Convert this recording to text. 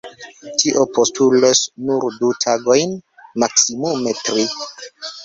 Tio postulos nur du tagojn, maksimume tri.